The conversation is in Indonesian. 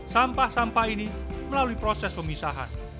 sampah sampah ini melalui proses pembuatan sampah